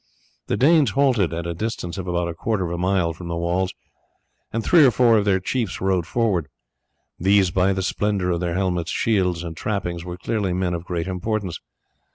The Danes halted at a distance of about a quarter of a mile from the walls, and three or four of their chiefs rode forward. These by the splendour of their helmets, shields, and trappings were clearly men of great importance.